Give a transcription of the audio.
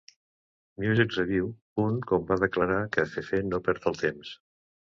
Music-Review punt com va declarar que Fefe no perd el temps.